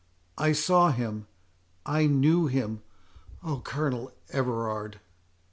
—I saw him—I knew him—Oh, Colonel Everard!"